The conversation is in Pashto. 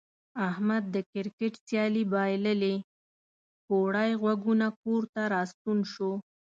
احمد د کرکټ سیالي بایللې کوړی غوږونه کور ته راستون شو.